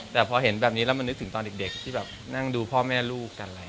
แต่พอเห็นแบบนี้แล้วมันนึกถึงตอนเด็กที่แบบนั่งดูพ่อแม่ลูกกันอะไร